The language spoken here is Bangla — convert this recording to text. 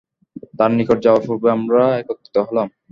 তাঁর নিকট যাওয়ার পূর্বে আমরা একত্রিত হলাম।